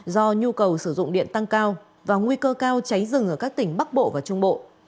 do nhu cầu sử dụng điện tăng cao và nguy cơ cao cháy rừng ở các tỉnh bắc bộ và trung bộ